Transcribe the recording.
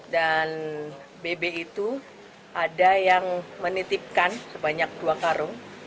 dan bb itu ada yang menitipkan sebanyak dua karung